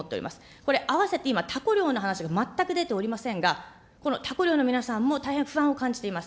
これ、あわせて今、タコ漁の話が全く出ておりませんが、このタコ漁の皆さんも大変不安を感じています。